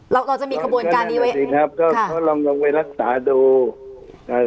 เราจะมีกระบวนการนี้ไว้ครับก็ลองลองไปรักษาดูเอ่อ